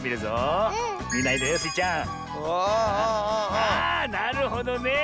あなるほどね！